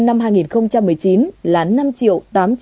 năm hai nghìn một mươi chín lán năm triệu